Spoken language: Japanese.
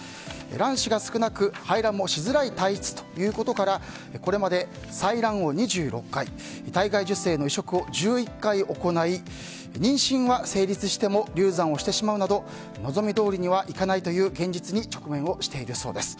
卵子が少なく排卵もしづらい体質ということからこれまで採卵を２６回体外受精の移植を１１回行い妊娠は成立しても流産をしてしまうなど望みどおりにはいかないという現実に直面しているそうです。